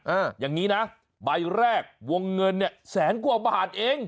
อย่างนี้นะใบแรกวงเงินเนี่ยแสนกว่าบาทเอง